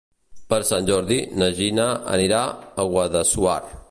Per Sant Jordi na Gina anirà a Guadassuar.